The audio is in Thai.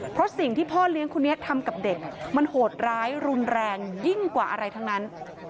เพราะสิ่งที่พ่อเลี้ยงคนนี้ทำกับเด็กมันโหดร้ายรุนแรงยิ่งกว่าอะไรทั้งนั้น